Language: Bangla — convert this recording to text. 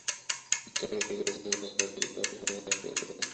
বর্তমানে কলেজ পরিচালনার জন্য পর্যাপ্ত তহবিল সংগ্রহ করা হয়েছে বলে জানা গেছে।